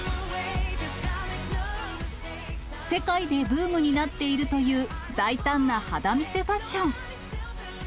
世界でブームになっているという、大胆な肌見せファッション。